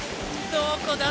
どこだ？